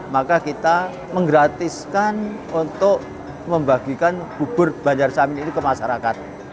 maka kita menggratiskan untuk membagikan bubur banjar samin ini ke masyarakat